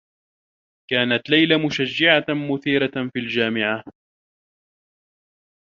كانت ليلى مشجّعة مثيرة في الجامعة.